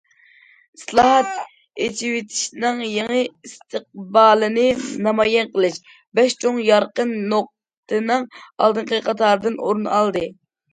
« ئىسلاھات، ئېچىۋېتىشنىڭ يېڭى ئىستىقبالىنى نامايان قىلىش» بەش چوڭ يارقىن نۇقتىنىڭ ئالدىنقى قاتارىدىن ئورۇن ئالدى.